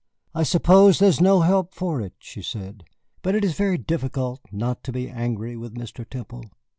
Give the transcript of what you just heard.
"I suppose there is no help for it," she said. "But it is very difficult not to be angry with Mr. Temple.